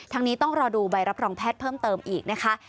นี้ต้องรอดูใบรับรองแพทย์เพิ่มเติมอีกนะคะ